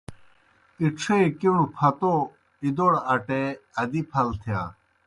اِڇھے کِݨوْ پھتَو اِدَوڑ اٹے ادِی پھل تِھیا۔